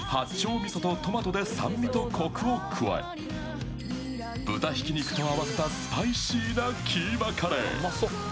みそとトマトで酸味とこくを加え豚ひき肉と合わせたスパイシーなキーマカレー。